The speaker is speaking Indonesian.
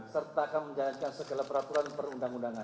serta akan menjalankan segala peraturan perundang undangan